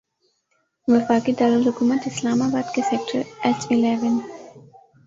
وفاقی دارالحکومت اسلام آباد کے سیکٹر ایچ الیون